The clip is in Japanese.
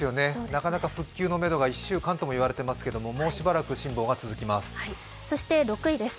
なかなか復旧のめどが１週間ともいわれていますけど、もうしばらく辛抱が続きます。